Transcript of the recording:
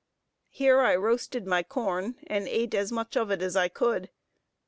Here I roasted my corn, and ate as much of it as I could.